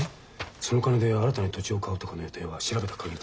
その金で新たに土地を買うとかの予定は調べた限りではありません。